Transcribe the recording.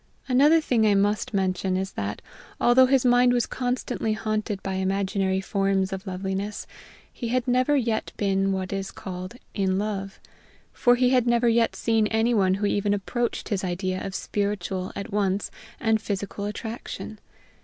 Another thing I must mention is that, although his mind was constantly haunted by imaginary forms of loveliness, he had never yet been what is called in love. For he had never yet seen anyone who even approached his idea of spiritual at once and physical attraction.